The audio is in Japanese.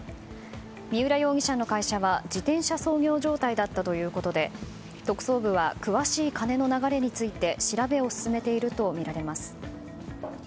三浦容疑者の会社は自転車操業状態だったということで特捜部は詳しい金の流れについて調べを進めているとみられます。